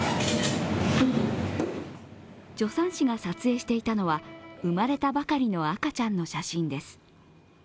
助産師が撮影していたのは、生まれたばかりの赤ちゃんの写真です。